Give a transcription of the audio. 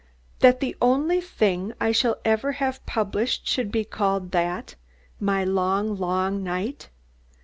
That the only thing I shall ever have published should be called that? My long, long night!